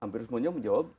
hampir semuanya menjawab